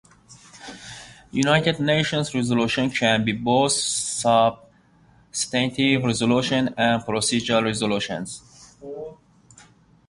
United Nations resolutions can be both substantive resolutions and procedural resolutions.